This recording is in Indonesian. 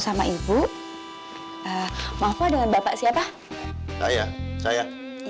sampai jumpa di video selanjutnya